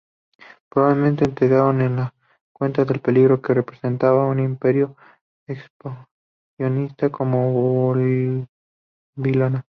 Probablemente entraron en la cuenta del peligro que representaba un imperio expansionista como Babilonia.